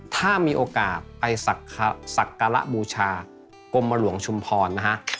ถ้ามีโอกาสไปศักรบูชากรมหลวงชุมพรนะครับ